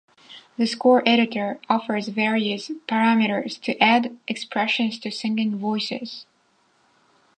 The Score Editor offers various parameters to add expressions to singing voices.